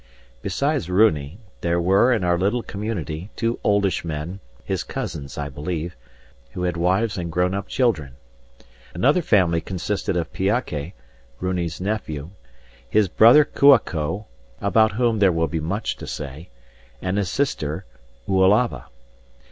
Besides Runi, there were, in our little community, two oldish men, his cousins I believe, who had wives and grown up children. Another family consisted of Piake, Runi's nephew, his brother Kua ko about whom there will be much to say and a sister Oalava.